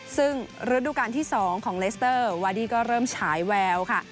ซึ่งฤดูการที่๒ของเลสเตอร์วาดี้ก็เริ่มฉายแววค่ะ